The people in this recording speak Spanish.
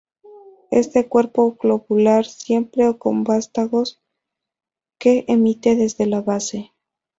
Es de cuerpo globular, simple o con vástagos que emite desde la base.